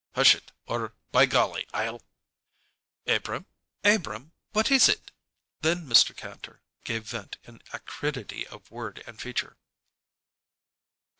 "Hush it or, by golly! I'll " "Abrahm Abrahm what is it?" Then Mr. Kantor gave vent in acridity of word and feature.